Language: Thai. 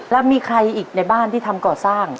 แล้วมีใครอีกในบ้านที่ทำก่อสร้าง